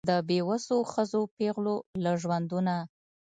د بېوسو ښځو پېغلو له ژوندونه